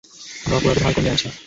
আমরা অপরাধের হার কমিয়ে আনছি।